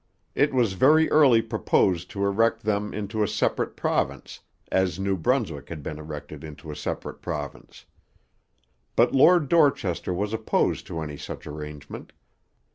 It was very early proposed to erect them into a separate province, as New Brunswick had been erected into a separate province. But Lord Dorchester was opposed to any such arrangement.